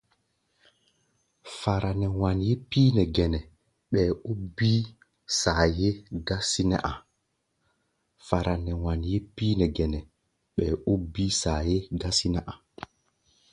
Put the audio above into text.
Fara nɛ wanyé píí nɛ gɛnɛ, ɓɛɛ ó bíí saayé gásí nɛ́ a̧.